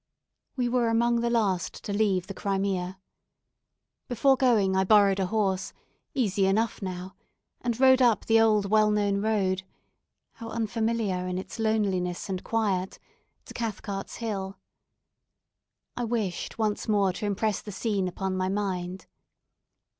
We were among the last to leave the Crimea. Before going I borrowed a horse, easy enough now, and rode up the old well known road how unfamiliar in its loneliness and quiet to Cathcart's Hill. I wished once more to impress the scene upon my mind.